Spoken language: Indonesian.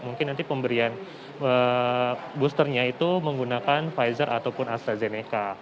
mungkin nanti pemberian boosternya itu menggunakan pfizer ataupun astrazeneca